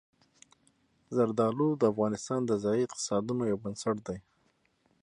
زردالو د افغانستان د ځایي اقتصادونو یو بنسټ دی.